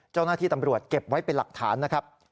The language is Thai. เจ้าหน้าที่ตำรวจเก็บไว้เป็นหลักฐานนะครับ